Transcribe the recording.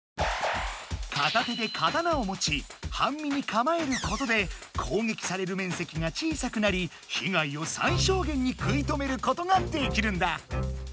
片手で刀を持ち半身に構えることで攻撃される面積が小さくなり被害を最小限に食い止めることができるんだ。